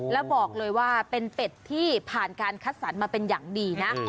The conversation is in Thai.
แล้วบอกเลยว่าเป็นเป็ดที่ผ่านการคัดสรรมาเป็นอย่างดีนะ